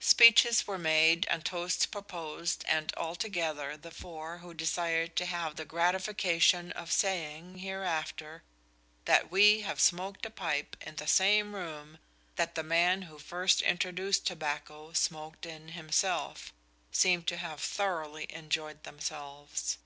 Speeches were made and toasts proposed, and altogether the four, who desired to "have the gratification of saying hereafter that we had smoked a pipe in the same room that the man who first introduced tobacco smoked in himself," seem to have thoroughly enjoyed themselves.